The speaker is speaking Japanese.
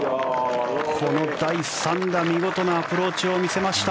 この第３打見事なアプローチを見せました。